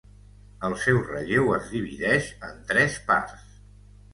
El seu relleu es divideix en tres parts.